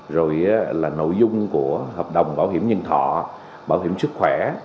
rồi là nội dung của hợp đồng bảo hiểm nhân thọ bảo hiểm sức khỏe